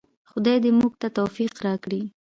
خدای دې موږ ته توفیق راکړي؟